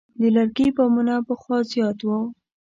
د لرګي بامونه پخوا زیات وو.